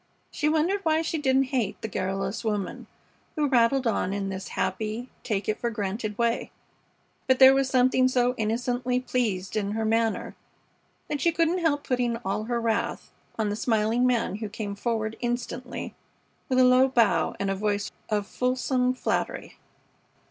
She wondered why she didn't hate the garrulous woman who rattled on in this happy, take it for granted way; but there was something so innocently pleased in her manner that she couldn't help putting all her wrath on the smiling man who came forward instantly with a low bow and a voice of fulsome flattery.